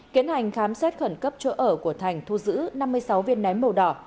tiến hành khám xét khẩn cấp chỗ ở của thành thu giữ năm mươi sáu viên nén màu đỏ